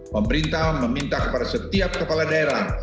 pemerintah meminta kepada setiap kepala daerah